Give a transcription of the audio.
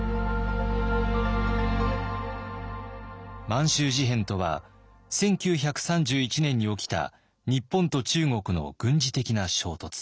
満州事変とは１９３１年に起きた日本と中国の軍事的な衝突。